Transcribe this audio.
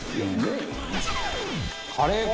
「カレー粉！」